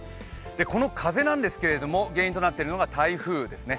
この風なんですけど、原因となっているのが台風７号ですね。